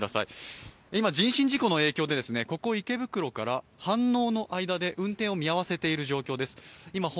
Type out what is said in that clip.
今、人身事故の影響でここ池袋から飯能の間まで運転を見合わせている状況です。